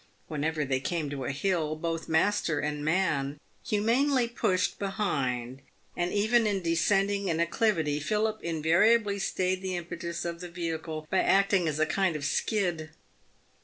Whenever they came to a hill, both master and man humanely pushed behind, and even in descending an acclivity, Philip invariably stayed the impetus of the vehicle by acting as a kind of skid.